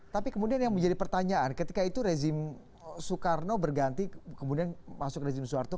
tapi kemudian yang menjadi pertanyaan ketika itu rezim soekarno berganti kemudian masuk rezim soeharto